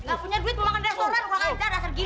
gak punya duit mau makan di restoran kurang ajar